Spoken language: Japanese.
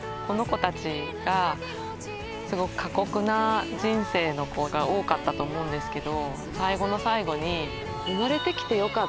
すごく過酷な人生の子が多かったと思うんですけど。